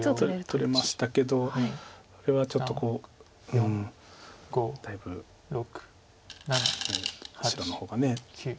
取れましたけどこれはちょっとだいぶ白の方が。